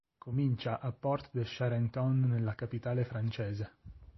Comincia a Porte de Charenton nella capitale francese.